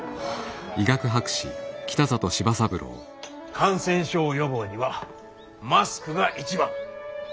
感染症予防にはマスクが一番。